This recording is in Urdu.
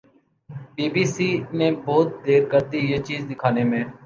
بی بی سی نے بہت دیر کردی یہ چیز دکھانے میں۔